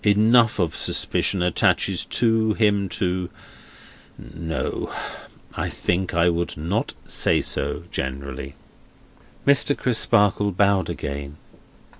Enough of suspicion attaches to him to—no, I think I would not say so, generally." Mr. Crisparkle bowed again.